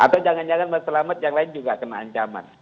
atau jangan jangan mas selamat yang lain juga kena ancaman